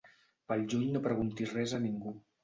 Pel juny no preguntis res a ningú.